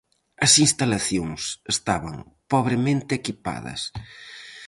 As instalacións estaban pobremente equipadas.